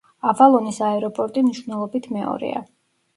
ავალონის აეროპორტი მნიშვნელობით მეორეა.